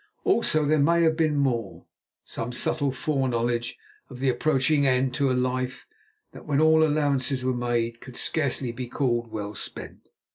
Also there may have been more; some subtle fore knowledge of the approaching end to a life that, when all allowances were made, could scarcely be called well spent.